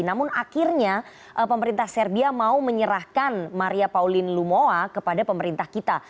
namun akhirnya pemerintah serbia mau menyerahkan maria pauline lumoa kepada pemerintah kita